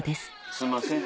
すいません。